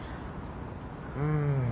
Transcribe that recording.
うん。